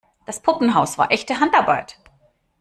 Das Puppenhaus war echte Handarbeit.